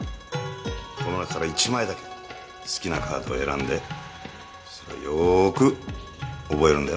この中から１枚だけ好きなカードを選んでそれをよく覚えるんだよ。